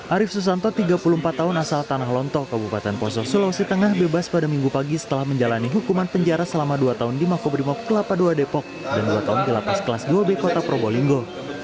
arief susanto tiga puluh empat tahun asal tanah lontong kabupaten poso sulawesi tengah bebas pada minggu pagi setelah menjalani hukuman penjara selama dua tahun di makobrimob kelapa dua depok dan dua tahun di lapas kelas dua b kota probolinggo